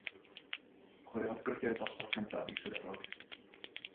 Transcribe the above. Chwaraeodd griced dosbarth cyntaf i Swydd Efrog.